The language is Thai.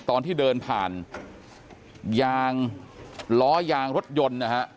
ตอนที่เดินผ่านยางล้อยางรถยนต์นะฮะ